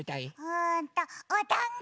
うんとおだんご！